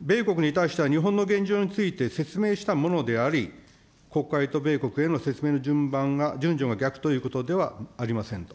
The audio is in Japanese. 米国に対しては日本の現状について説明したものであり、国会と米国への説明の順番が、順序が逆ということではありませんと。